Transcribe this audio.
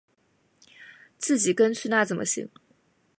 自己跟去那怎么行